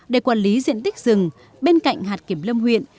để quản lý diện tích rừng bên cạnh hạt kiểm lâm huyện